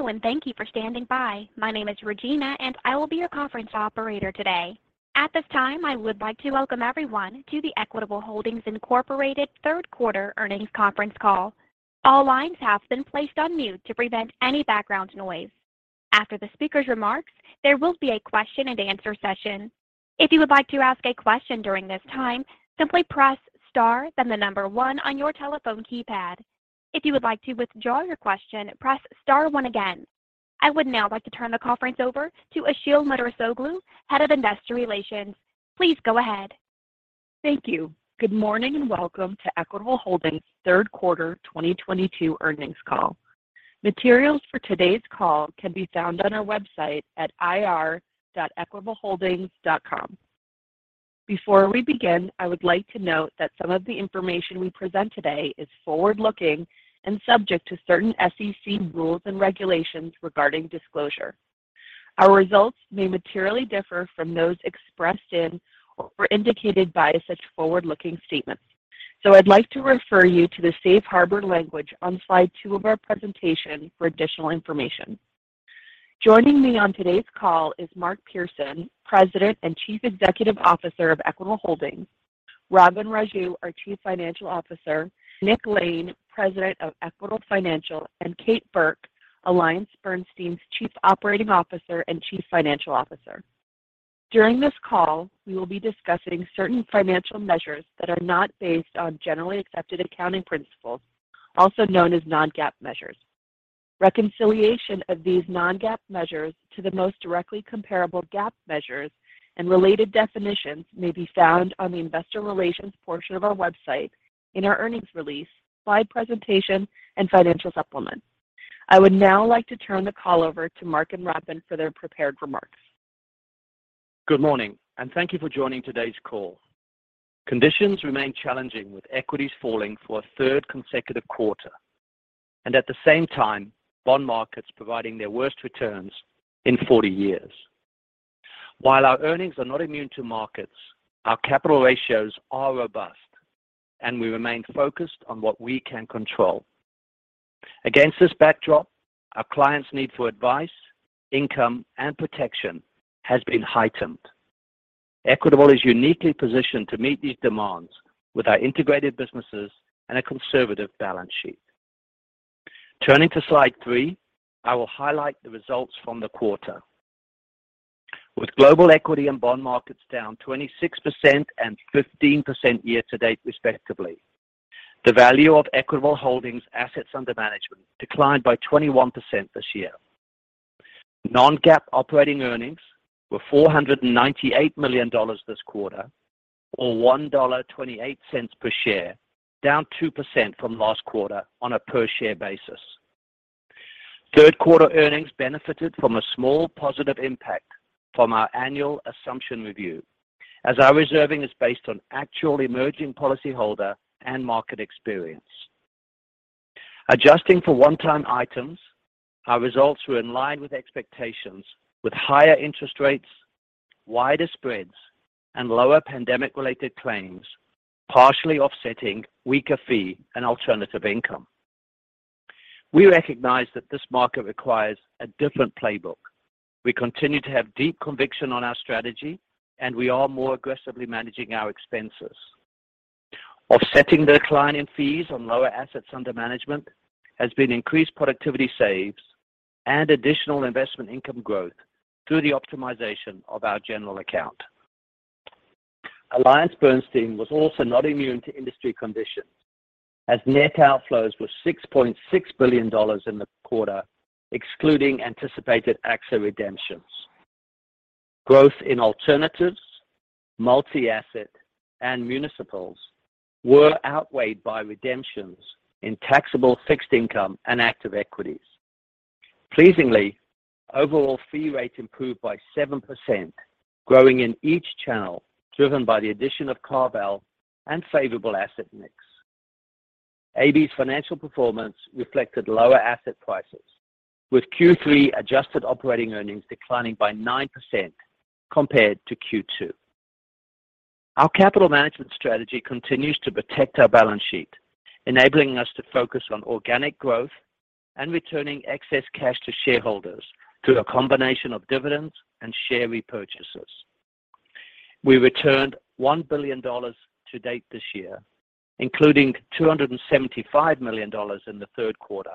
Hello, and thank you for standing by. My name is Regina, and I will be your conference operator today. At this time, I would like to welcome everyone to the Equitable Holdings, Inc. third quarter earnings conference call. All lines have been placed on mute to prevent any background noise. After the speaker's remarks, there will be a question and answer session. If you would like to ask a question during this time, simply press Star, then the number one on your telephone keypad. If you would like to withdraw your question, press Star one again. I would now like to turn the conference over to Işıl Müderrisoğlu, Head of Investor Relations. Please go ahead. Thank you. Good morning, and welcome to Equitable Holdings third quarter 2022 earnings call. Materials for today's call can be found on our website at ir.equitableholdings.com. Before we begin, I would like to note that some of the information we present today is forward-looking and subject to certain SEC rules and regulations regarding disclosure. Our results may materially differ from those expressed in or indicated by such forward-looking statements. I'd like to refer you to the safe harbor language on slide 2 of our presentation for additional information. Joining me on today's call is Mark Pearson, President and Chief Executive Officer of Equitable Holdings, Robin Raju, our Chief Financial Officer, Nick Lane, President of Equitable Financial, and Kate Burke, AllianceBernstein's Chief Operating Officer and Chief Financial Officer. During this call, we will be discussing certain financial measures that are not based on generally accepted accounting principles, also known as non-GAAP measures. Reconciliation of these non-GAAP measures to the most directly comparable GAAP measures and related definitions may be found on the investor relations portion of our website in our earnings release, slide presentation, and financial supplement. I would now like to turn the call over to Mark and Robin for their prepared remarks. Good morning, and thank you for joining today's call. Conditions remain challenging, with equities falling for a third consecutive quarter, and at the same time, bond markets providing their worst returns in 40 years. While our earnings are not immune to markets, our capital ratios are robust, and we remain focused on what we can control. Against this backdrop, our clients' need for advice, income, and protection has been heightened. Equitable is uniquely positioned to meet these demands with our integrated businesses and a conservative balance sheet. Turning to slide 3, I will highlight the results from the quarter. With global equity and bond markets down 26% and 15% year to date, respectively, the value of Equitable Holdings assets under management declined by 21% this year. non-GAAP operating earnings were $498 million this quarter, or $1.28 per share, down 2% from last quarter on a per share basis. Third quarter earnings benefited from a small positive impact from our annual assumption review, as our reserving is based on actual emerging policyholder and market experience. Adjusting for one-time items, our results were in line with expectations, with higher interest rates, wider spreads, and lower pandemic-related claims partially offsetting weaker fee and alternative income. We recognize that this market requires a different playbook. We continue to have deep conviction on our strategy, and we are more aggressively managing our expenses. Offsetting the decline in fees on lower assets under management has been increased productivity saves and additional investment income growth through the optimization of our general account. AllianceBernstein was also not immune to industry conditions as net outflows were $6.6 billion in the quarter, excluding anticipated AXA redemptions. Growth in alternatives, multi-asset, and municipals were outweighed by redemptions in taxable fixed income and active equities. Pleasingly, overall fee rate improved by 7%, growing in each channel, driven by the addition of CarVal and favorable asset mix. AB's financial performance reflected lower asset prices, with Q3 adjusted operating earnings declining by 9% compared to Q2. Our capital management strategy continues to protect our balance sheet, enabling us to focus on organic growth and returning excess cash to shareholders through a combination of dividends and share repurchases. We returned $1 billion to date this year, including $275 million in the third quarter,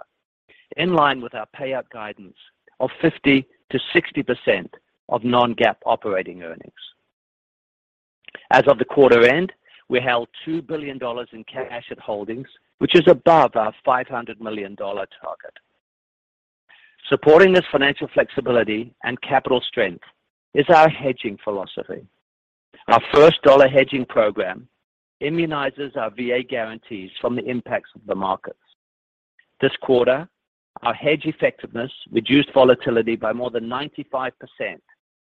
in line with our payout guidance of 50%-60% of non-GAAP operating earnings. As of the quarter end, we held $2 billion in cash at Holdings, which is above our $500 million target. Supporting this financial flexibility and capital strength is our hedging philosophy. Our First Dollar Hedging program immunizes our VA guarantees from the impacts of the markets. This quarter, our hedge effectiveness reduced volatility by more than 95%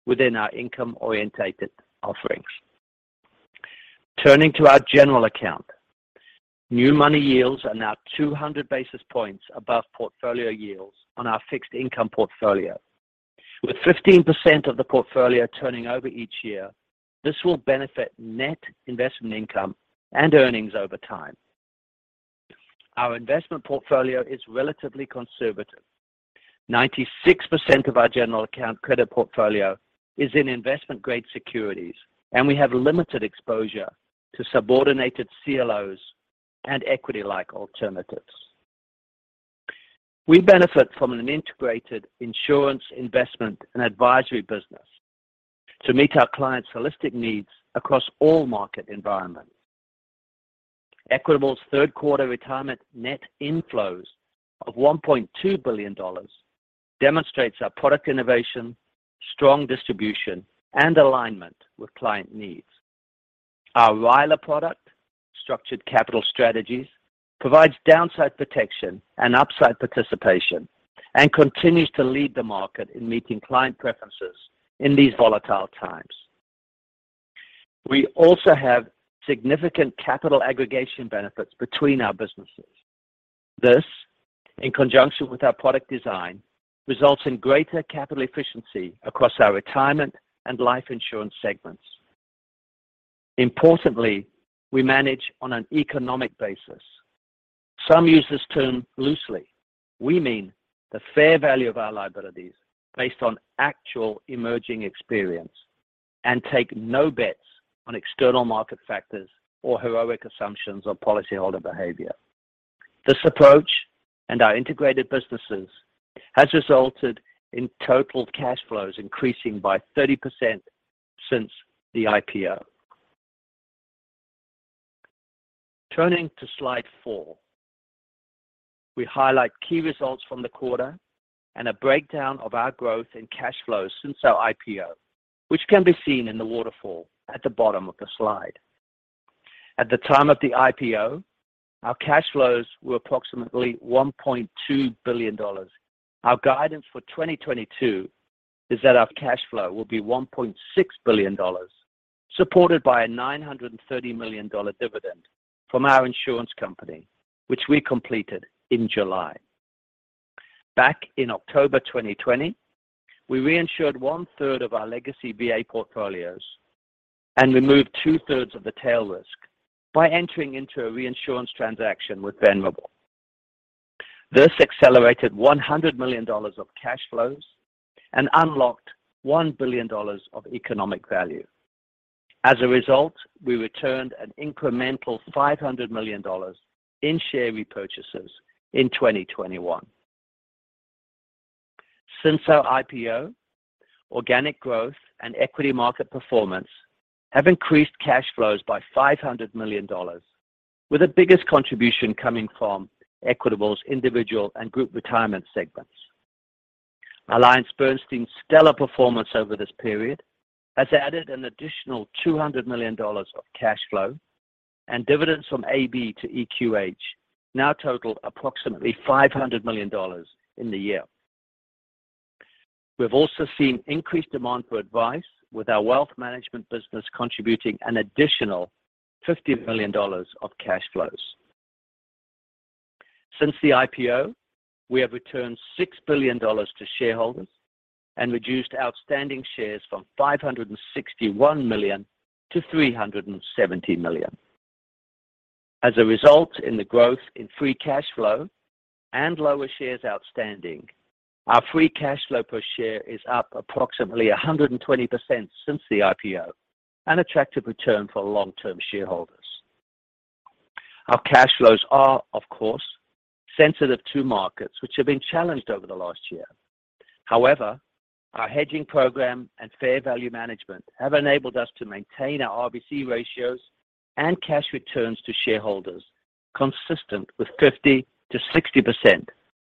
within our income-oriented offerings. Turning to our general account, new money yields are now 200 basis points above portfolio yields on our fixed income portfolio. With 15% of the portfolio turning over each year, this will benefit net investment income and earnings over time. Our investment portfolio is relatively conservative. 96% of our general account credit portfolio is in investment-grade securities, and we have limited exposure to subordinated CLOs and equity-like alternatives. We benefit from an integrated insurance investment and advisory business to meet our clients' holistic needs across all market environments. Equitable's third quarter retirement net inflows of $1.2 billion demonstrates our product innovation, strong distribution, and alignment with client needs. Our RILA product, Structured Capital Strategies, provides downside protection and upside participation and continues to lead the market in meeting client preferences in these volatile times. We also have significant capital aggregation benefits between our businesses. This, in conjunction with our product design, results in greater capital efficiency across our retirement and life insurance segments. Importantly, we manage on an economic basis. Some use this term loosely. We mean the fair value of our liabilities based on actual emerging experience and take no bets on external market factors or heroic assumptions of policyholder behavior. This approach and our integrated businesses has resulted in total cash flows increasing by 30% since the IPO. Turning to slide 4, we highlight key results from the quarter and a breakdown of our growth in cash flows since our IPO, which can be seen in the waterfall at the bottom of the slide. At the time of the IPO, our cash flows were approximately $1.2 billion. Our guidance for 2022 is that our cash flow will be $1.6 billion, supported by a $930 million dividend from our insurance company, which we completed in July. Back in October 2020, we reinsured one-third of our legacy VA portfolios and removed two-thirds of the tail risk by entering into a reinsurance transaction with Venerable. This accelerated $100 million of cash flows and unlocked $1 billion of economic value. As a result, we returned an incremental $500 million in share repurchases in 2021. Since our IPO, organic growth and equity market performance have increased cash flows by $500 million, with the biggest contribution coming from Equitable's individual and group retirement segments. AllianceBernstein's stellar performance over this period has added an additional $200 million of cash flow, and dividends from AB to EQH now total approximately $500 million in the year. We've also seen increased demand for advice, with our wealth management business contributing an additional $50 million of cash flows. Since the IPO, we have returned $6 billion to shareholders and reduced outstanding shares from 561 million to 370 million. As a result of the growth in free cash flow and lower shares outstanding, our free cash flow per share is up approximately 120% since the IPO, an attractive return for long-term shareholders. Our cash flows are, of course, sensitive to markets which have been challenged over the last year. However, our hedging program and fair value management have enabled us to maintain our RBC ratios and cash returns to shareholders consistent with 50%-60%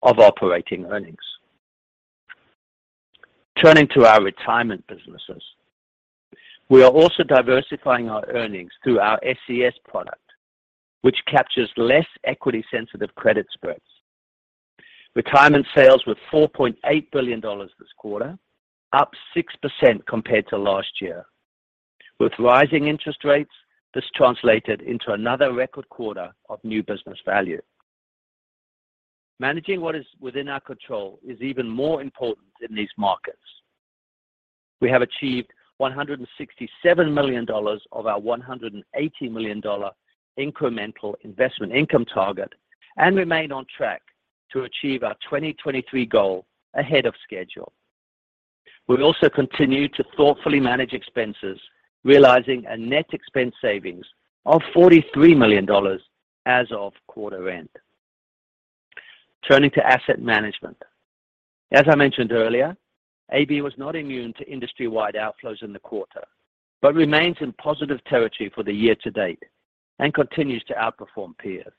of operating earnings. Turning to our retirement businesses, we are also diversifying our earnings through our SCS product, which captures less equity-sensitive credit spreads. Retirement sales were $4.8 billion this quarter, up 6% compared to last year. With rising interest rates, this translated into another record quarter of new business value. Managing what is within our control is even more important in these markets. We have achieved $167 million of our $180 million incremental investment income target and remain on track to achieve our 2023 goal ahead of schedule. We also continue to thoughtfully manage expenses, realizing a net expense savings of $43 million as of quarter-end. Turning to asset management. As I mentioned earlier, AB was not immune to industry-wide outflows in the quarter, but remains in positive territory for the year-to-date and continues to outperform peers.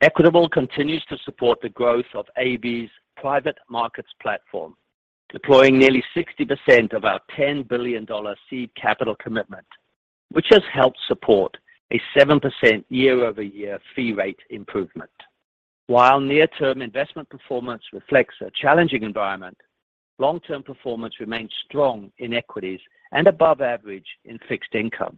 Equitable continues to support the growth of AB's private markets platform, deploying nearly 60% of our $10 billion seed capital commitment, which has helped support a 7% year-over-year fee rate improvement. While near-term investment performance reflects a challenging environment, long-term performance remains strong in equities and above average in fixed income.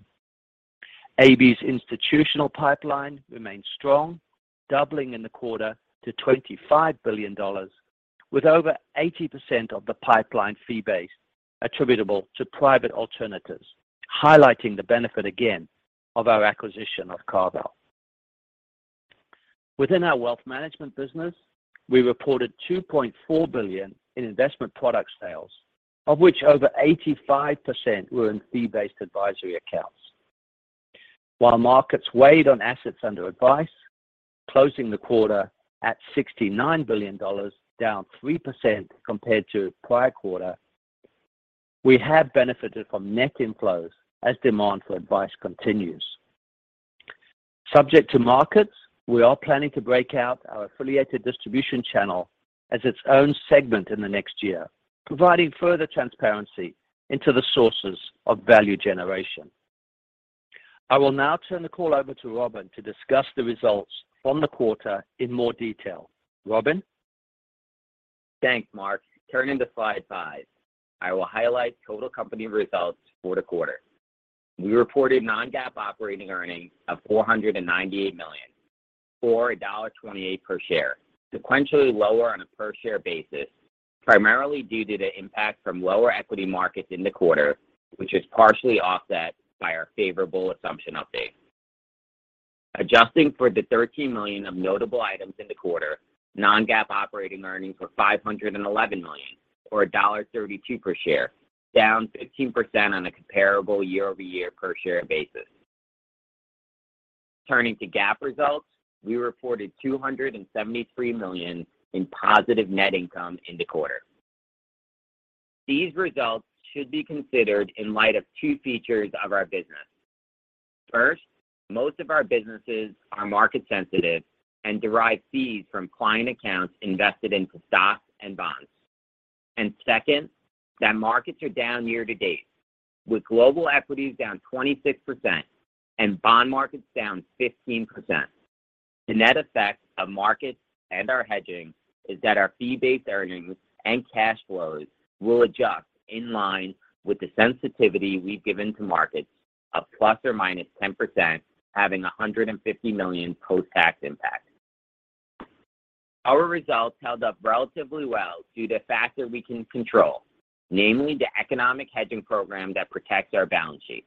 AB's institutional pipeline remains strong, doubling in the quarter to $25 billion, with over 80% of the pipeline fee-based attributable to private alternatives, highlighting the benefit again of our acquisition of CarVal. Within our wealth management business, we reported $2.4 billion in investment product sales, of which over 85% were in fee-based advisory accounts. While markets weighed on assets under advice, closing the quarter at $69 billion, down 3% compared to prior quarter, we have benefited from net inflows as demand for advice continues. Subject to markets, we are planning to break out our affiliated distribution channel as its own segment in the next year, providing further transparency into the sources of value generation. I will now turn the call over to Robin Raju to discuss the results from the quarter in more detail. Robin Raju? Thanks, Mark. Turning to slide five, I will highlight total company results for the quarter. We reported non-GAAP operating earnings of $498 million, or $1.28 per share, sequentially lower on a per share basis, primarily due to the impact from lower equity markets in the quarter, which is partially offset by our favorable assumption update. Adjusting for the $13 million of notable items in the quarter, non-GAAP operating earnings were $511 million, or $1.32 per share, down 15% on a comparable year-over-year per share basis. Turning to GAAP results, we reported $273 million in positive net income in the quarter. These results should be considered in light of two features of our business. First, most of our businesses are market sensitive and derive fees from client accounts invested into stocks and bonds. Second, that markets are down year to date, with global equities down 26% and bond markets down 15%. The net effect of markets and our hedging is that our fee-based earnings and cash flows will adjust in line with the sensitivity we've given to markets of ±10% having a $150 million post-tax impact. Our results held up relatively well due to the factors we can control, namely the economic hedging program that protects our balance sheet.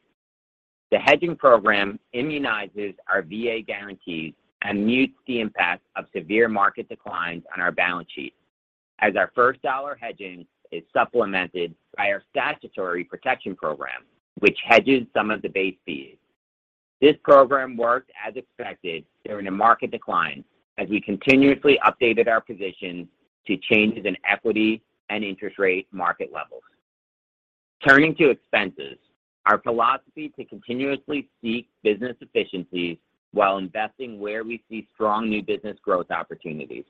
The hedging program immunizes our VA guarantees and mutes the impact of severe market declines on our balance sheet as our First Dollar Hedging is supplemented by our statutory protection program, which hedges some of the base fees. This program worked as expected during the market decline as we continuously updated our position to changes in equity and interest rate market levels. Turning to expenses, our philosophy to continuously seek business efficiencies while investing where we see strong new business growth opportunities.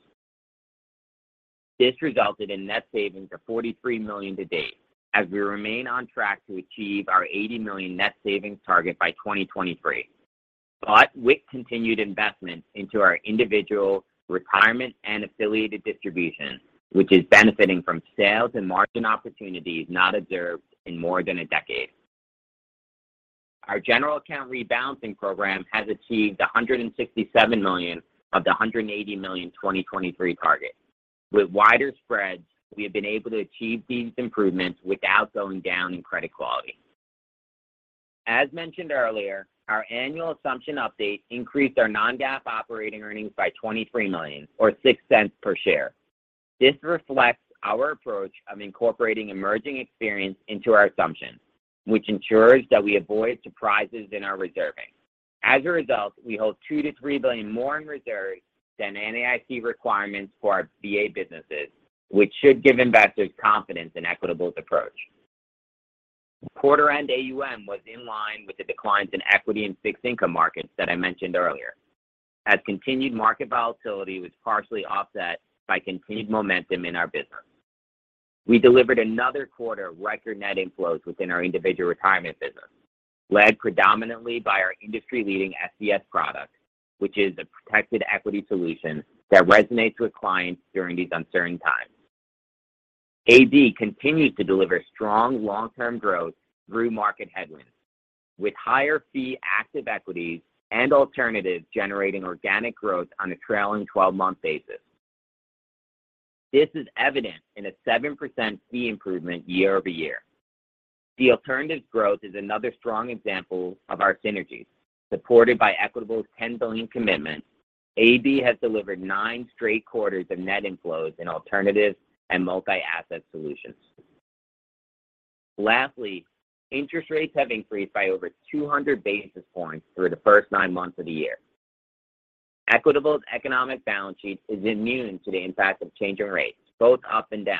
This resulted in net savings of $43 million to date as we remain on track to achieve our $80 million net savings target by 2023, but with continued investments into our individual retirement and affiliated distribution, which is benefiting from sales and margin opportunities not observed in more than a decade. Our general account rebalancing program has achieved $167 million of the $180 million 2023 target. With wider spreads, we have been able to achieve these improvements without going down in credit quality. As mentioned earlier, our annual assumption update increased our non-GAAP operating earnings by $23 million or $0.06 per share. This reflects our approach of incorporating emerging experience into our assumptions, which ensures that we avoid surprises in our reserving. As a result, we hold $2-$3 billion more in reserves than NAIC requirements for our VA businesses, which should give investors confidence in Equitable's approach. Quarter-end AUM was in line with the declines in equity and fixed income markets that I mentioned earlier. Continued market volatility was partially offset by continued momentum in our business. We delivered another quarter of record net inflows within our individual retirement business, led predominantly by our industry-leading SCS product, which is a protected equity solution that resonates with clients during these uncertain times. AB continued to deliver strong long-term growth through market headwinds with higher fee active equities and alternatives generating organic growth on a trailing 12-month basis. This is evident in a 7% fee improvement year-over-year. The alternatives growth is another strong example of our synergies. Supported by Equitable's $10 billion commitment, AB has delivered 9 straight quarters of net inflows in alternatives and multi-asset solutions. Lastly, interest rates have increased by over 200 basis points through the first 9 months of the year. Equitable's economic balance sheet is immune to the impact of changing rates, both up and down.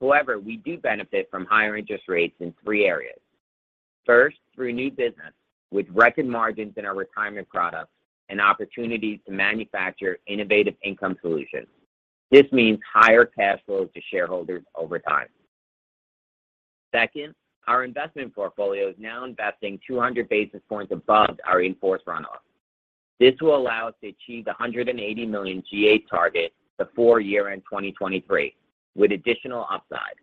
However, we do benefit from higher interest rates in three areas. First, through new business with record margins in our retirement products and opportunities to manufacture innovative income solutions. This means higher cash flows to shareholders over time. Second, our investment portfolio is now investing 200 basis points above our enforced runoff. This will allow us to achieve the $180 million GAAP target before year-end 2023 with additional upside.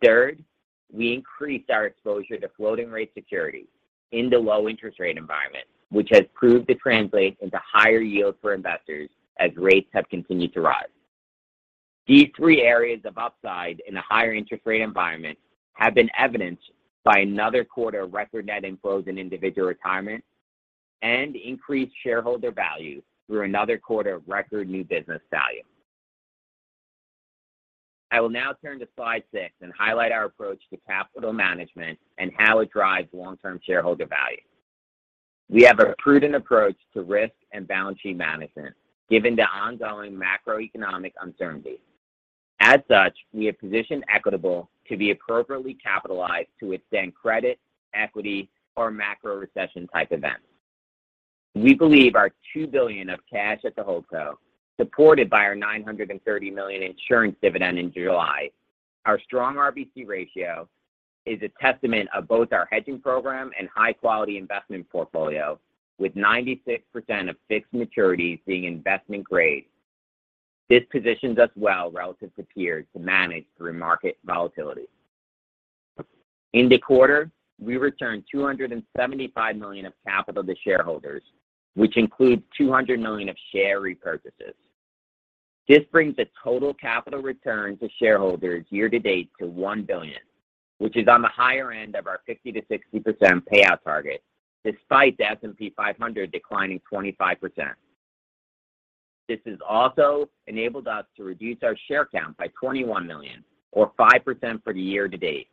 Third, we increased our exposure to floating rate securities in the low interest rate environment, which has proved to translate into higher yield for investors as rates have continued to rise. These three areas of upside in a higher interest rate environment have been evidenced by another quarter of record net inflows in individual retirement and increased shareholder value through another quarter of record new business value. I will now turn to slide 6 and highlight our approach to capital management and how it drives long-term shareholder value. We have a prudent approach to risk and balance sheet management given the ongoing macroeconomic uncertainty. As such, we have positioned Equitable to be appropriately capitalized to withstand credit, equity, or macro recession type events. We believe our $2 billion of cash at the hold co, supported by our $930 million insurance dividend in July, our strong RBC ratio is a testament of both our hedging program and high quality investment portfolio, with 96% of fixed maturities being investment grade. This positions us well relative to peers to manage through market volatility. In the quarter, we returned $275 million of capital to shareholders, which includes $200 million of share repurchases. This brings the total capital return to shareholders year to date to $1 billion, which is on the higher end of our 50%-60% payout target, despite the S&P 500 declining 25%. This has also enabled us to reduce our share count by 21 million or 5% for the year to date,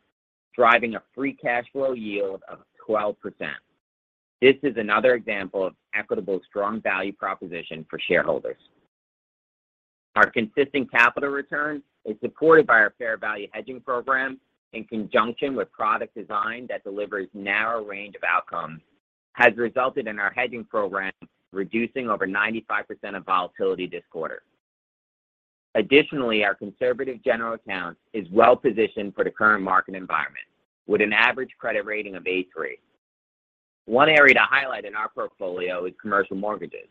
driving a free cash flow yield of 12%. This is another example of Equitable's strong value proposition for shareholders. Our consistent capital return is supported by our fair value hedging program in conjunction with product design that delivers narrow range of outcomes, has resulted in our hedging program reducing over 95% of volatility this quarter. Additionally, our conservative general account is well-positioned for the current market environment with an average credit rating of A3. One area to highlight in our portfolio is commercial mortgages,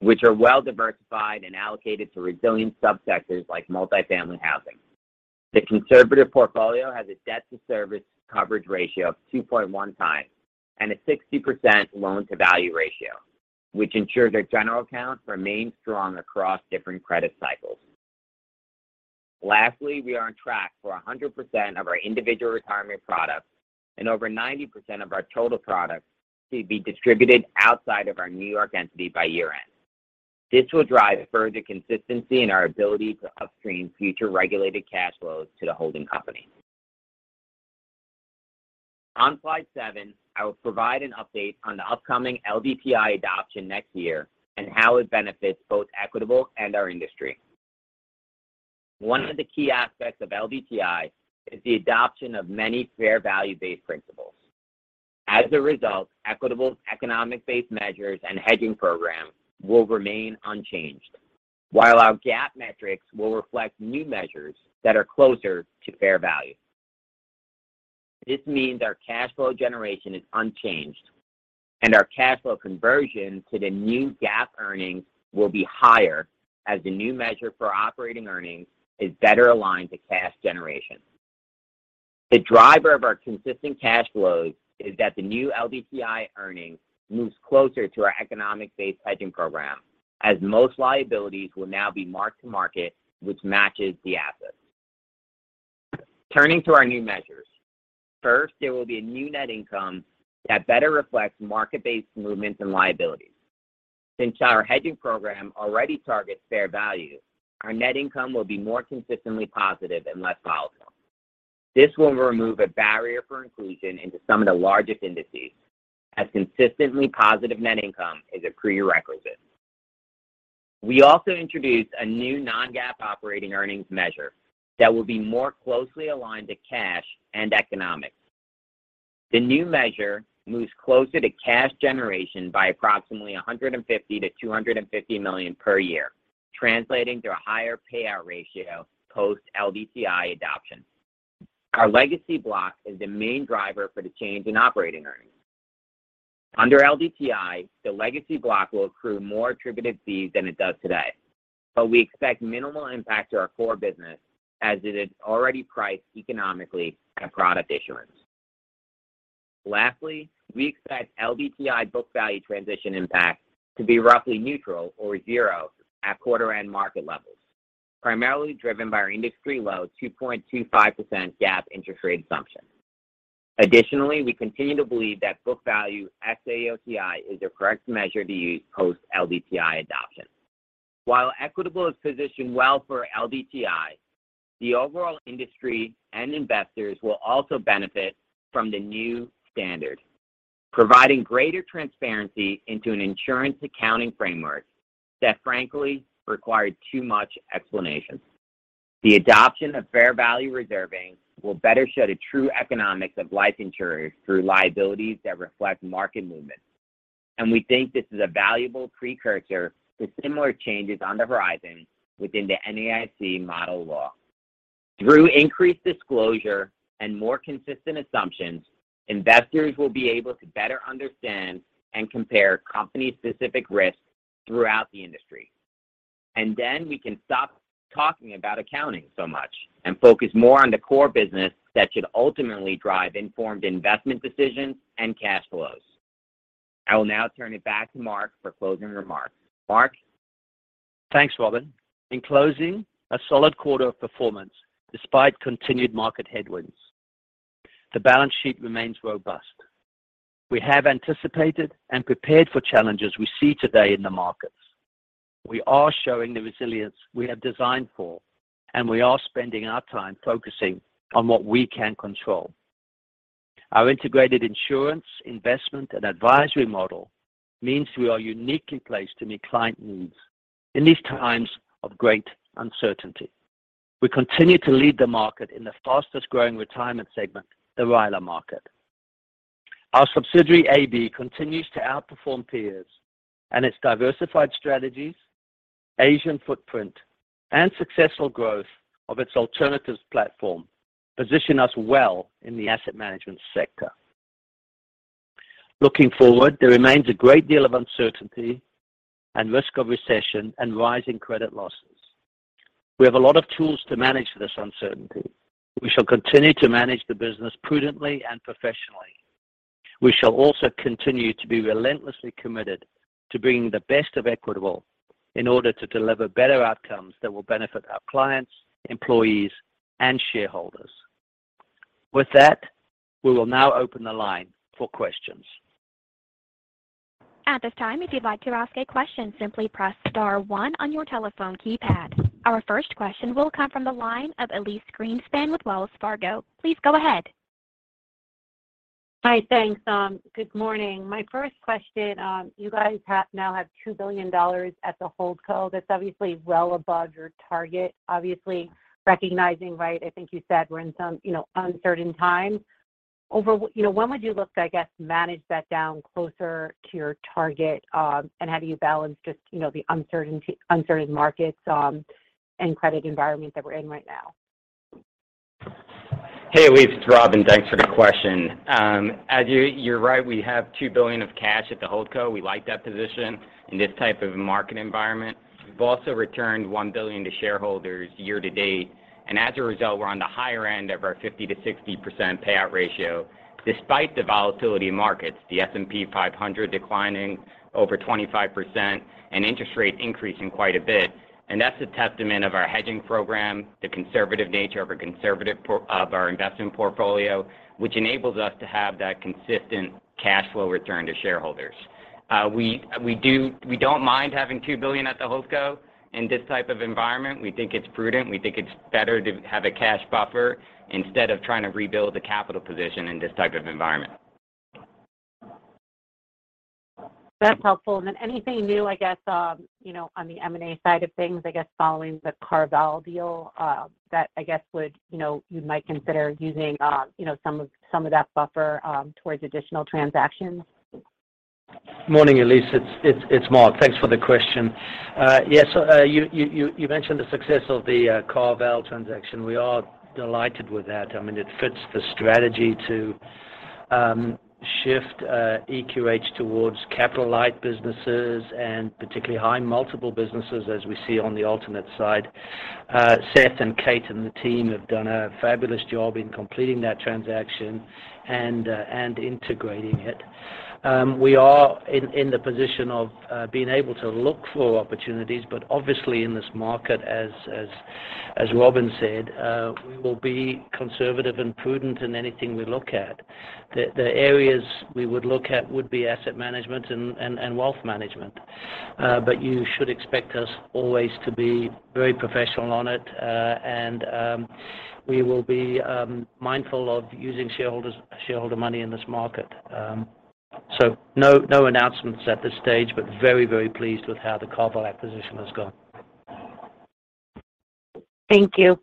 which are well-diversified and allocated to resilient subsectors like multi-family housing. The conservative portfolio has a debt-to-service coverage ratio of 2.1 times and a 60% loan-to-value ratio, which ensures our general accounts remain strong across different credit cycles. Lastly, we are on track for 100% of our individual retirement products and over 90% of our total products to be distributed outside of our New York entity by year-end. This will drive further consistency in our ability to upstream future regulated cash flows to the holding company. On slide 7, I will provide an update on the upcoming LDTI adoption next year and how it benefits both Equitable and our industry. One of the key aspects of LDTI is the adoption of many fair value-based principles. As a result, Equitable's economic-based measures and hedging program will remain unchanged, while our GAAP metrics will reflect new measures that are closer to fair value. This means our cash flow generation is unchanged, and our cash flow conversion to the new GAAP earnings will be higher as the new measure for operating earnings is better aligned to cash generation. The driver of our consistent cash flows is that the new LDTI earnings moves closer to our economic-based hedging program, as most liabilities will now be marked to market, which matches the assets. Turning to our new measures, first, there will be a new net income that better reflects market-based movements and liabilities. Since our hedging program already targets fair value, our net income will be more consistently positive and less volatile. This will remove a barrier for inclusion into some of the largest indices, as consistently positive net income is a prerequisite. We also introduced a new non-GAAP operating earnings measure that will be more closely aligned to cash and economics. The new measure moves closer to cash generation by approximately $150 million-$250 million per year, translating to a higher payout ratio post LDTI adoption. Our legacy block is the main driver for the change in operating earnings. Under LDTI, the legacy block will accrue more attributed fees than it does today, but we expect minimal impact to our core business as it is already priced economically at product issuance. Lastly, we expect LDTI book value transition impact to be roughly neutral or zero at quarter end market levels, primarily driven by our industry low 2.25% GAAP interest rate assumption. Additionally, we continue to believe that book value ex-AOCI is the correct measure to use post LDTI adoption. While Equitable is positioned well for LDTI, the overall industry and investors will also benefit from the new standard, providing greater transparency into an insurance accounting framework that frankly required too much explanation. The adoption of fair value reserving will better show the true economics of life insurers through liabilities that reflect market movement. We think this is a valuable precursor to similar changes on the horizon within the NAIC model law. Through increased disclosure and more consistent assumptions, investors will be able to better understand and compare company specific risks throughout the industry. we can stop talking about accounting so much and focus more on the core business that should ultimately drive informed investment decisions and cash flows. I will now turn it back to Mark for closing remarks. Mark? Thanks, Robin. In closing, a solid quarter of performance despite continued market headwinds. The balance sheet remains robust. We have anticipated and prepared for challenges we see today in the markets. We are showing the resilience we have designed for, and we are spending our time focusing on what we can control. Our integrated insurance, investment, and advisory model means we are uniquely placed to meet client needs in these times of great uncertainty. We continue to lead the market in the fastest-growing retirement segment, the RILA market. Our subsidiary, AB, continues to outperform peers, and its diversified strategies, Asian footprint, and successful growth of its alternatives platform position us well in the asset management sector. Looking forward, there remains a great deal of uncertainty and risk of recession and rising credit losses. We have a lot of tools to manage this uncertainty. We shall continue to manage the business prudently and professionally. We shall also continue to be relentlessly committed to bringing the best of Equitable in order to deliver better outcomes that will benefit our clients, employees, and shareholders. With that, we will now open the line for questions. At this time, if you'd like to ask a question, simply press star one on your telephone keypad. Our first question will come from the line of Elyse Greenspan with Wells Fargo. Please go ahead. Hi. Thanks. Good morning. My first question, you guys now have $2 billion at the holdco. That's obviously well above your target, obviously recognizing, right, I think you said we're in some uncertain times. You know, when would you look to, I guess, manage that down closer to your target, and how do you balance just the uncertain markets, and credit environment that we're in right now? Hey, Elyse, it's Robin. Thanks for the question. As you're right, we have $2 billion of cash at the holdco. We like that position in this type of market environment. We've also returned $1 billion to shareholders year to date, and as a result, we're on the higher end of our 50%-60% payout ratio despite the volatility in markets, the S&P 500 declining over 25% and interest rates increasing quite a bit. That's a testament of our hedging program, the conservative nature of our conservative por-- of our investment portfolio, which enables us to have that consistent cash flow return to shareholders. We don't mind having $2 billion at the holdco in this type of environment. We think it's prudent. We think it's better to have a cash buffer instead of trying to rebuild the capital position in this type of environment. That's helpful. Then anything new, I guess on the M&A side of things, I guess, that I guess would you might consider using some of that buffer towards additional transactions? Morning, Elyse. It's Mark. Thanks for the question. You mentioned the success of the CarVal transaction. We are delighted with that. I mean, it fits the strategy to shift EQH towards capital-light businesses and particularly high multiple businesses as we see on the alternative side. Seth and Kate and the team have done a fabulous job in completing that transaction and integrating it. We are in the position of being able to look for opportunities, but obviously in this market, as Robin said, we will be conservative and prudent in anything we look at. The areas we would look at would be asset management and wealth management. You should expect us always to be very professional on it, and we will be mindful of using shareholder money in this market. No announcements at this stage, but very, very pleased with how the CarVal acquisition has gone. Thank you.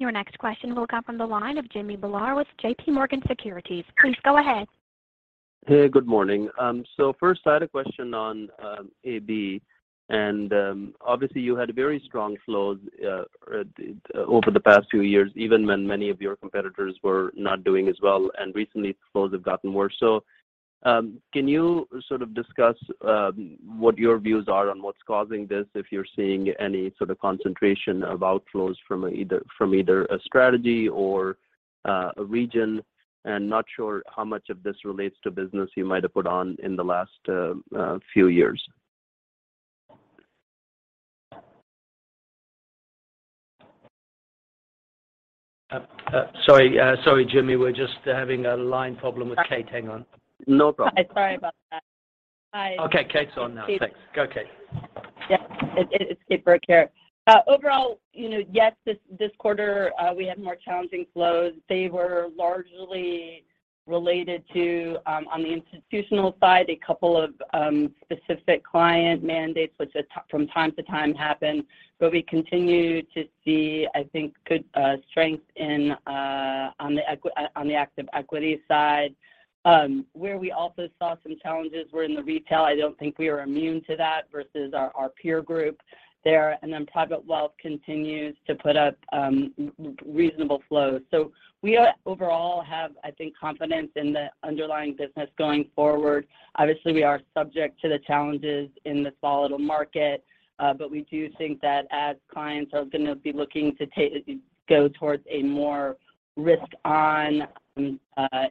Your next question will come from the line of Jimmy Bhullar with J.P. Morgan Securities. Please go ahead. Hey, good morning. First I had a question on AB, and obviously you had very strong flows over the past few years, even when many of your competitors were not doing as well, and recently flows have gotten worse. Can you sort of discuss what your views are on what's causing this, if you're seeing any sort of concentration of outflows from either a strategy or a region, and not sure how much of this relates to business you might have put on in the last few years? Sorry, Jimmy. We're just having a line problem with Kate. Hang on. No problem. Sorry about that. Okay, Kate's on now. Thanks. Go, Kate. Yeah, it's Kate Burke here. overall yes, this quarter, we had more challenging flows. They were largely related to, on the institutional side, a couple of specific client mandates, which from time to time happen. We continue to see, I think, good strength in, On the active equity side, where we also saw some challenges were in the retail. I don't think we are immune to that versus our peer group there. Private wealth continues to put up reasonable flows. We overall have, I think, confidence in the underlying business going forward. Obviously, we are subject to the challenges in this volatile market, but we do think that as clients are gonna be looking to go towards a more risk-on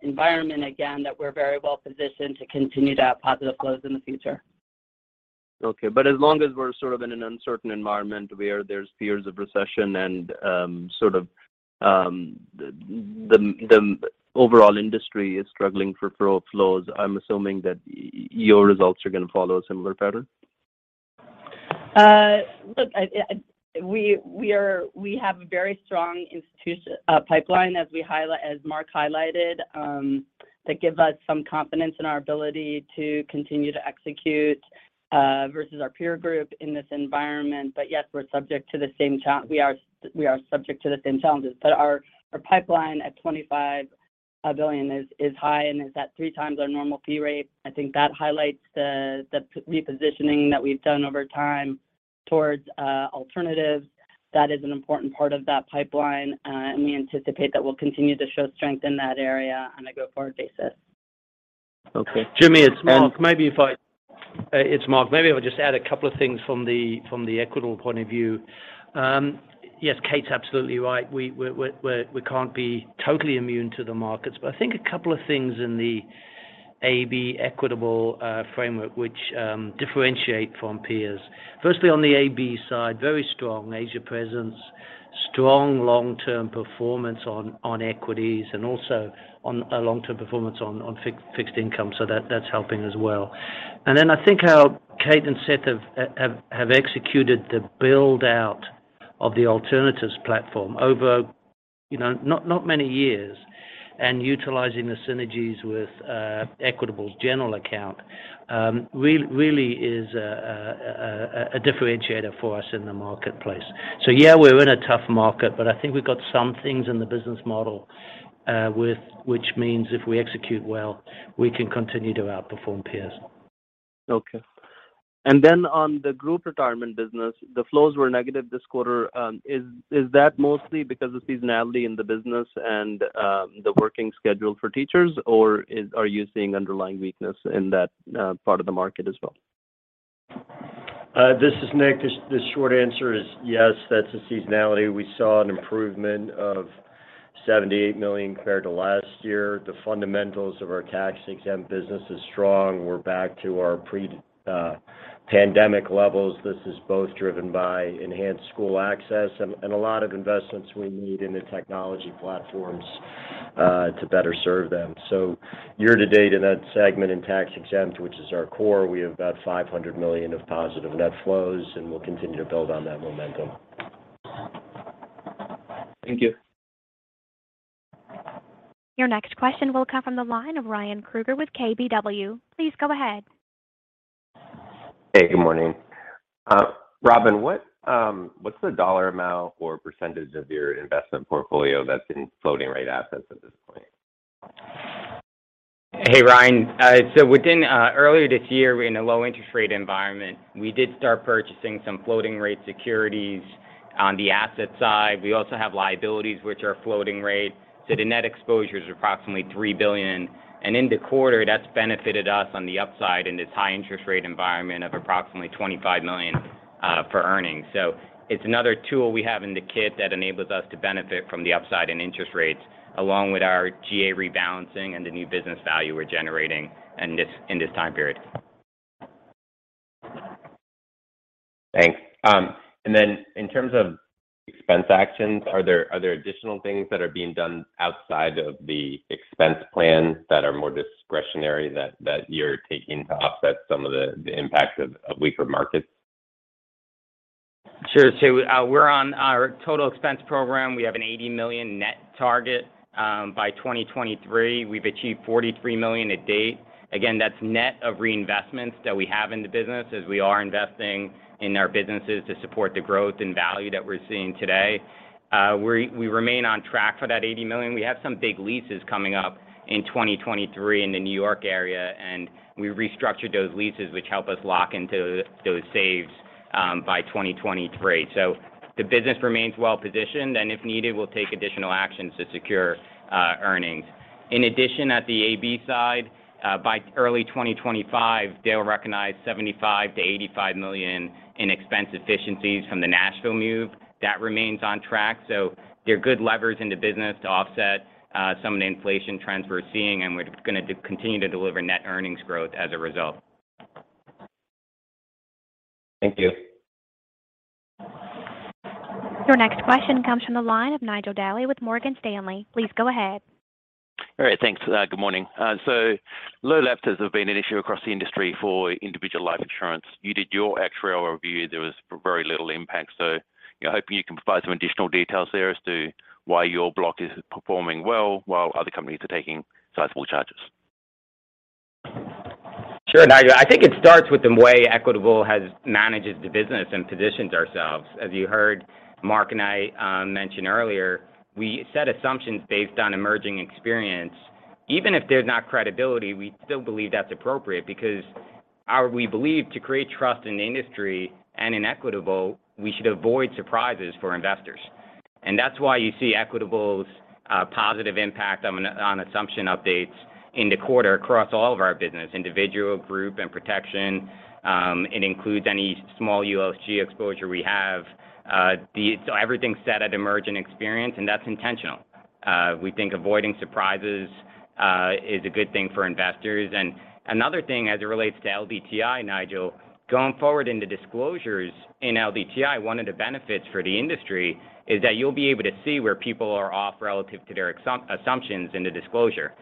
environment again, that we're very well positioned to continue to have positive flows in the future. Okay. As long as we're sort of in an uncertain environment where there's fears of recession and sort of the overall industry is struggling for flows, I'm assuming that your results are gonna follow a similar pattern. Look, we have a very strong institutional pipeline as Mark highlighted that gives us some confidence in our ability to continue to execute versus our peer group in this environment. Yes, we're subject to the same challenges. Our pipeline at $25 billion is high and is at 3 times our normal fee rate. I think that highlights the repositioning that we've done over time towards alternatives. That is an important part of that pipeline, and we anticipate that we'll continue to show strength in that area on a go-forward basis. Okay. Jimmy, it's Mark. Maybe I'll just add a couple of things from the Equitable point of view. Yes, Kate's absolutely right. We can't be totally immune to the markets. I think a couple of things in the AB Equitable framework which differentiate from peers. Firstly, on the AB side, very strong Asia presence, strong long-term performance on equities and also on long-term performance on fixed income, so that's helping as well. Then I think how Kate and Seth have executed the build-out of the alternatives platform over not many years and utilizing the synergies with Equitable's general account, really is a differentiator for us in the marketplace. Yeah, we're in a tough market, but I think we've got some things in the business model, with which means if we execute well, we can continue to outperform peers. Okay. On the group retirement business, the flows were negative this quarter. Is that mostly because of seasonality in the business and the working schedule for teachers, or are you seeing underlying weakness in that part of the market as well? This is Nick. The short answer is yes, that's the seasonality. We saw an improvement of $78 million compared to last year. The fundamentals of our tax-exempt business is strong. We're back to our pre-pandemic levels. This is both driven by enhanced school access and a lot of investments we made in the technology platforms to better serve them. Year to date in that segment in tax-exempt, which is our core, we have about $500 million of positive net flows, and we'll continue to build on that momentum. Thank you. Your next question will come from the line of Ryan Krueger with KBW. Please go ahead. Hey, good morning. Robin, what's the dollar amount or percentage of your investment portfolio that's in floating rate assets at this point? Hey, Ryan. Earlier this year, we're in a low interest rate environment. We did start purchasing some floating rate securities on the asset side. We also have liabilities which are floating rate. The net exposure is approximately $3 billion. In the quarter, that's benefited us on the upside in this high interest rate environment of approximately $25 million for earnings. It's another tool we have in the kit that enables us to benefit from the upside in interest rates, along with our GA rebalancing and the new business value we're generating in this time period. Thanks. In terms of expense actions, are there additional things that are being done outside of the expense plan that are more discretionary that you're taking to offset some of the impacts of weaker markets? Sure. We're on our total expense program. We have a $80 million net target by 2023. We've achieved $43 million to date. Again, that's net of reinvestments that we have in the business as we are investing in our businesses to support the growth and value that we're seeing today. We remain on track for that $80 million. We have some big leases coming up in 2023 in the New York area, and we restructured those leases which help us lock into those savings by 2023. The business remains well-positioned, and if needed, we'll take additional actions to secure earnings. In addition, at the AB side, by early 2025, they'll recognize $75 million-$85 million in expense efficiencies from the Nashville move. That remains on track. They're good levers in the business to offset some of the inflation trends we're seeing, and we're gonna continue to deliver net earnings growth as a result. Thank you. Your next question comes from the line of Nigel Dally with Morgan Stanley. Please go ahead. All right. Thanks. Good morning. Low lapses have been an issue across the industry for individual life insurance. You did your actuarial review. There was very little impact. You know, hoping you can provide some additional details there as to why your block is performing well while other companies are taking sizable charges. Sure, Nigel. I think it starts with the way Equitable has managed the business and positioned ourselves. As you heard Mark and I mention earlier, we set assumptions based on emerging experience. Even if there's not credibility, we still believe that's appropriate because we believe to create trust in the industry and in Equitable, we should avoid surprises for investors. That's why you see Equitable's positive impact on assumption updates in the quarter across all of our business: individual, group, and protection. It includes any small ULSG exposure we have. Everything's set at emerging experience, and that's intentional. We think avoiding surprises is a good thing for investors. Another thing as it relates to LDTI, Nigel Dally, going forward in the disclosures in LDTI, one of the benefits for the industry is that you'll be able to see where people are off relative to their assumptions in the disclosure.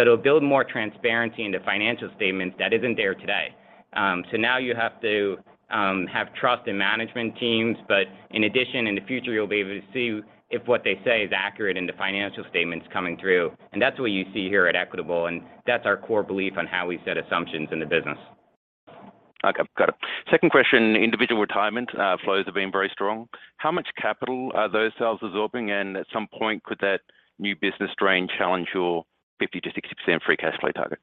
It'll build more transparency into financial statements that isn't there today. Now you have to have trust in management teams, but in addition, in the future, you'll be able to see if what they say is accurate in the financial statements coming through. That's what you see here at Equitable, and that's our core belief on how we set assumptions in the business. Okay. Got it. Second question, individual retirement flows have been very strong. How much capital are those sales absorbing? And at some point, could that new business strain challenge your 50%-60% free cash flow target?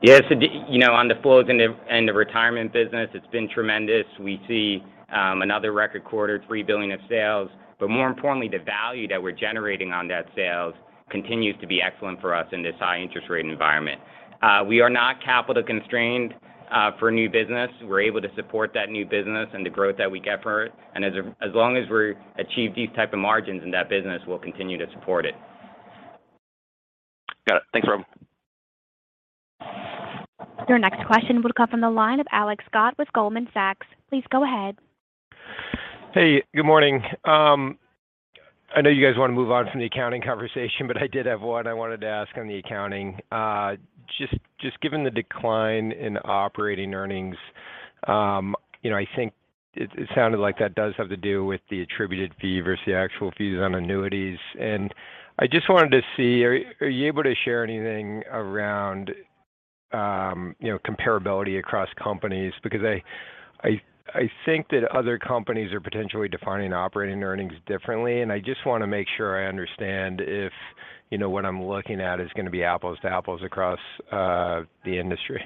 You know, on the flows in the retirement business, it's been tremendous. We see another record quarter, $3 billion of sales. But more importantly, the value that we're generating on that sales continues to be excellent for us in this high interest rate environment. We are not capital constrained for new business. We're able to support that new business and the growth that we get for it. As long as we achieve these type of margins in that business, we'll continue to support it. Got it. Thanks, Rob. Your next question will come from the line of Alex Scott with Goldman Sachs. Please go ahead. Hey, good morning. I know you guys wanna move on from the accounting conversation, but I did have one I wanted to ask on the accounting. Just given the decline in operating earnings I think it sounded like that does have to do with the attributed fee versus the actual fees on annuities. I just wanted to see, are you able to share anything around comparability across companies? Because I think that other companies are potentially defining operating earnings differently, and I just wanna make sure I understand if what I'm looking at is gonna be apples to apples across the industry.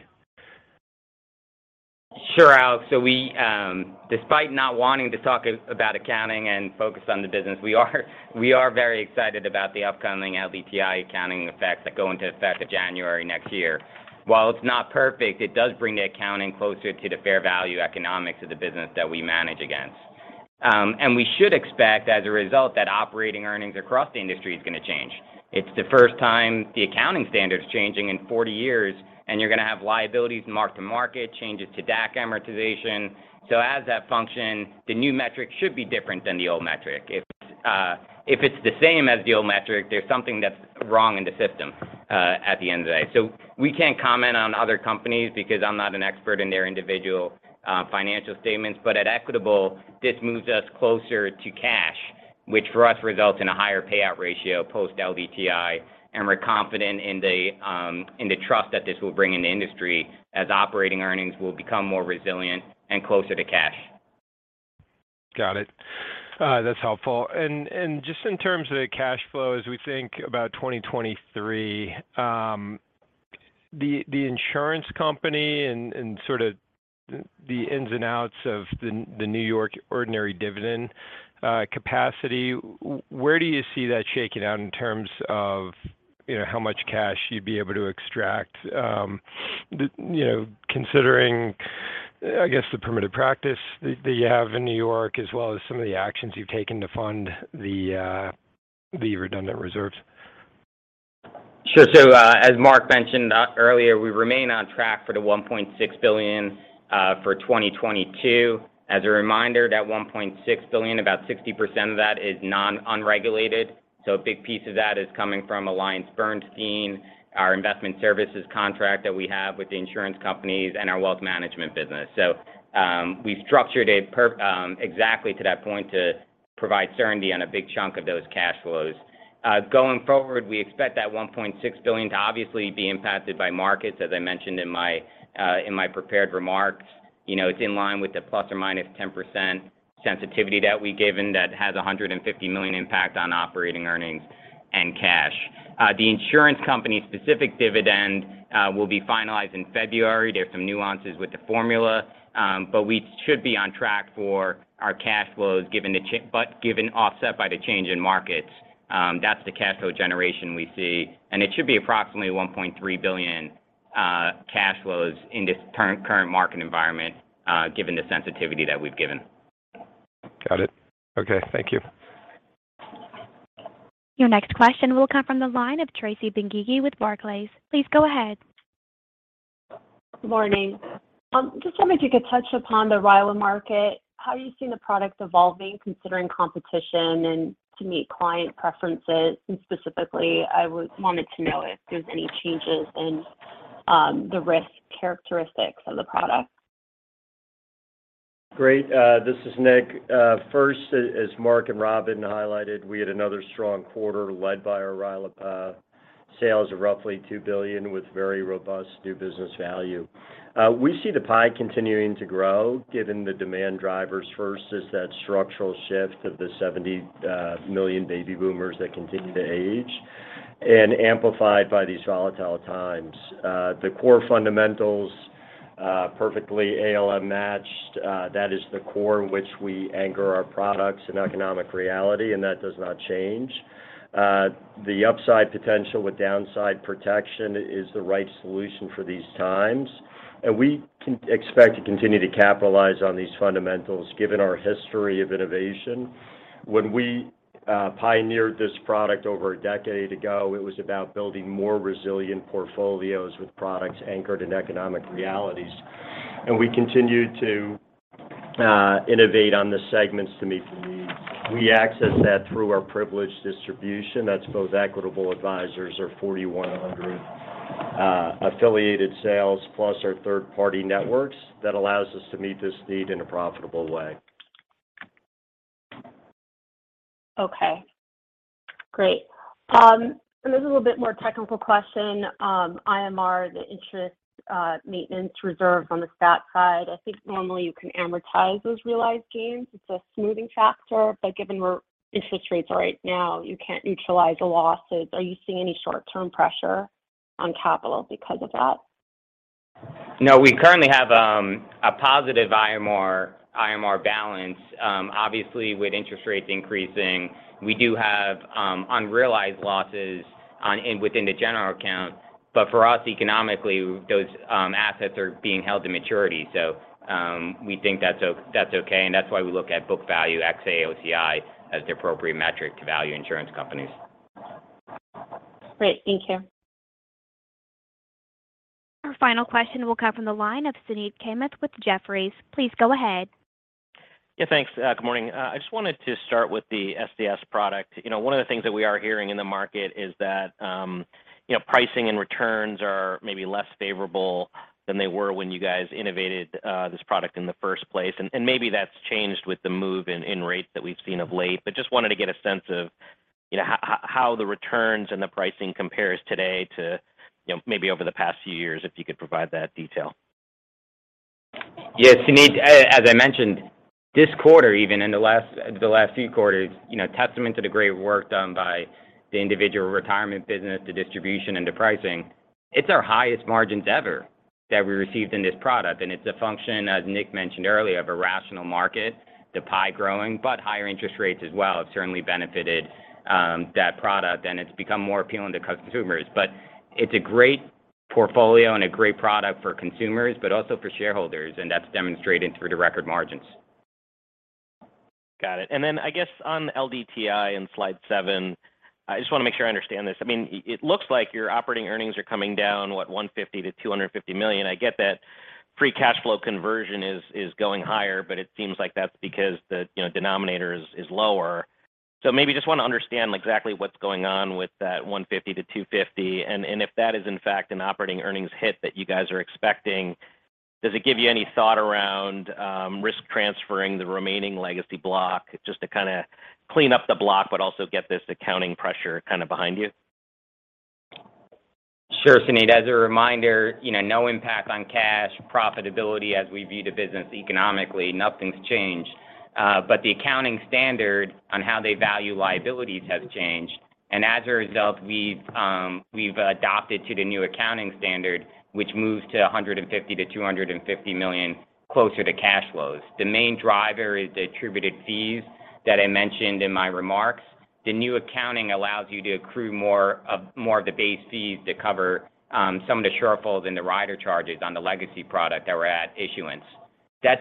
Sure, Alex. We, despite not wanting to talk about accounting and focus on the business, we are very excited about the upcoming LDTI accounting effects that go into effect January next year. While it's not perfect, it does bring the accounting closer to the fair value economics of the business that we manage against. We should expect, as a result, that operating earnings across the industry is gonna change. It's the first time the accounting standard's changing in 40 years, and you're gonna have liabilities mark-to-market, changes to DAC amortization. As that function, the new metric should be different than the old metric. If it's the same as the old metric, there's something that's wrong in the system at the end of the day. We can't comment on other companies because I'm not an expert in their individual financial statements. At Equitable, this moves us closer to cash, which for us results in a higher payout ratio post-LDTI, and we're confident in the trust that this will bring in the industry as operating earnings will become more resilient and closer to cash. Got it. That's helpful. Just in terms of the cash flows, we think about 2023, the insurance company and sort of the ins and outs of the New York ordinary dividend capacity, where do you see that shaking out in terms of how much cash you'd be able to extract considering, I guess, the permitted practice that you have in New York as well as some of the actions you've taken to fund the redundant reserves? Sure. As Mark mentioned earlier, we remain on track for the $1.6 billion for 2022. As a reminder, that $1.6 billion, about 60% of that is non-regulated, so a big piece of that is coming from AllianceBernstein, our investment services contract that we have with the insurance companies and our wealth management business. We've structured it exactly to that point to provide certainty on a big chunk of those cash flows. Going forward, we expect that $1.6 billion to obviously be impacted by markets, as I mentioned in my prepared remarks. You know, it's in line with the ±10% sensitivity that we've given that has a $150 million impact on operating earnings and cash. The insurance company's specific dividend will be finalized in February. There's some nuances with the formula, but we should be on track for our cash flows, but given offset by the change in markets, that's the cash flow generation we see, and it should be approximately $1.3 billion cash flows in this current market environment, given the sensitivity that we've given. Got it. Okay. Thank you. Your next question will come from the line of Tracy Benguigui with Barclays. Please go ahead. Morning. Just wondering if you could touch upon the RILA market, how you're seeing the product evolving considering competition and to meet client preferences. Specifically, I would want to know if there's any changes in the risk characteristics of the product. Great. This is Nick. First, as Mark and Robin have highlighted, we had another strong quarter led by our RILA. Sales of roughly $2 billion with very robust new business value. We see the pie continuing to grow given the demand drivers. First is that structural shift of the 70 million baby boomers that continue to age and amplified by these volatile times. The core fundamentals perfectly ALM matched. That is the core in which we anchor our products in economic reality, and that does not change. The upside potential with downside protection is the right solution for these times, and we can expect to continue to capitalize on these fundamentals given our history of innovation. When we pioneered this product over a decade ago, it was about building more resilient portfolios with products anchored in economic realities. We continue to innovate on the segments to meet the needs. We access that through our privileged distribution. That's both Equitable Advisors or 4,100 affiliated sales, plus our third-party networks that allows us to meet this need in a profitable way. Okay, great. This is a little bit more technical question. IMR, the Interest Maintenance Reserve on the stat side. I think normally you can amortize those realized gains. It's a smoothing factor, but given where interest rates are right now, you can't neutralize the losses. Are you seeing any short-term pressure on capital because of that? No. We currently have a positive IMR balance. Obviously, with interest rates increasing, we do have unrealized losses in the general account, but for us, economically, those assets are being held to maturity. We think that's okay, and that's why we look at book value ex-AOCI as the appropriate metric to value insurance companies. Great. Thank you. Our final question will come from the line of Suneet Kamath with Jefferies. Please go ahead. Yeah, thanks. Good morning. I just wanted to start with the SCS product. You know, one of the things that we are hearing in the market is that pricing and returns are maybe less favorable than they were when you guys innovated this product in the first place. And maybe that's changed with the move in rates that we've seen of late. Just wanted to get a sense of how the returns and the pricing compares today to maybe over the past few years, if you could provide that detail. Yes, Suneet. As I mentioned, this quarter, even in the last few quarters testament to the great work done by the individual retirement business, the distribution, and the pricing. It's our highest margins ever that we received in this product, and it's a function, as Nick mentioned earlier, of a rational market, the pie growing, but higher interest rates as well have certainly benefited that product, and it's become more appealing to consumers. It's a great portfolio and a great product for consumers, but also for shareholders, and that's demonstrated through the record margins. Got it. I guess on LDTI in slide 7, I just wanna make sure I understand this. I mean, it looks like your operating earnings are coming down, what, $150 million-$250 million. I get that free cash flow conversion is going higher, but it seems like that's because the denominator is lower. Maybe just wanna understand exactly what's going on with that $150 million-$250 million and if that is, in fact, an operating earnings hit that you guys are expecting. Does it give you any thought around risk transferring the remaining legacy block just to kinda clean up the block but also get this accounting pressure kinda behind you? Sure, Suneet. As a reminder no impact on cash profitability as we view the business economically. Nothing's changed. The accounting standard on how they value liabilities has changed. As a result, we've adopted to the new accounting standard, which moves $150 million-$250 million closer to cash flows. The main driver is the attributed fees that I mentioned in my remarks. The new accounting allows you to accrue more of the base fees to cover some of the shortfalls in the rider charges on the legacy product that were at issuance. That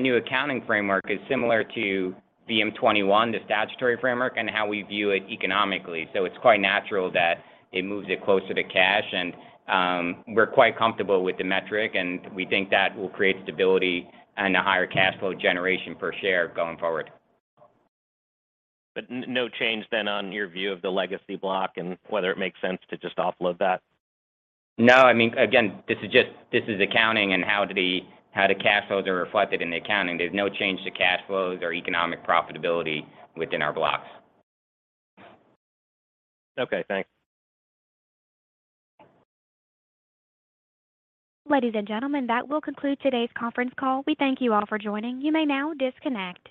new accounting framework is similar to VM-21, the statutory framework, and how we view it economically. It's quite natural that it moves it closer to cash. We're quite comfortable with the metric, and we think that will create stability and a higher cash flow generation per share going forward. No change then on your view of the legacy block and whether it makes sense to just offload that? No. I mean, again, this is just accounting and how the cash flows are reflected in the accounting. There's no change to cash flows or economic profitability within our blocks. Okay. Thanks. Ladies and gentlemen, that will conclude today's conference call. We thank you all for joining. You may now disconnect.